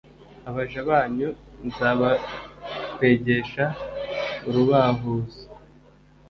abaja banyu nzakabakwegesha uruhabuzo;